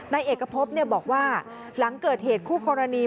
นายเอกพบบอกว่าหลังเกิดเหตุคู่กรณี